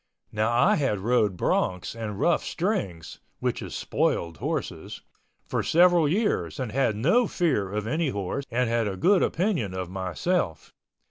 Now I had rode broncs and rough strings (which is spoiled horses) for several years and had no fear of any horse and had a good opinion of myself.